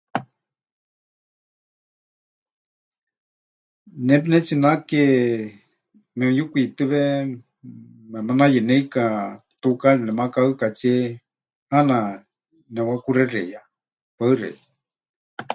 Ne pɨnetsinake memɨyukwitɨwe memanayeneika tukaari nemakahɨkatsie, ʼaana nepɨwakuxexeiyá. Paɨ xeikɨ́a.